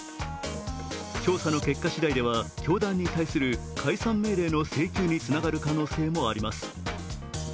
調査の結果次第では教団に対する解散命令の請求につながる可能性もあります。